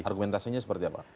argumentasinya seperti apa